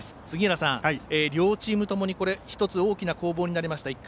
杉浦さん、両チームともに１つ、大きな攻防になりました